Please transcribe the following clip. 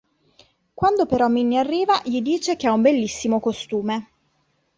Quando però Minni arriva, gli dice che ha un bellissimo costume.